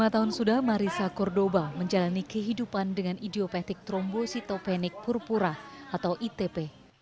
dua puluh lima tahun sudah marisha cordoba menjalani kehidupan dengan idiopatik trombositopenia purpura atau itp